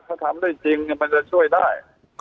ถ้าทำได้จริงมันจะช่วยได้